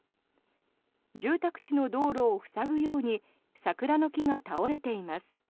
住宅地の道路を塞ぐように桜の木が倒れています。